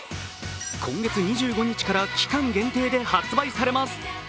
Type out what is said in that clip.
今月２５日から期間限定で発売されます。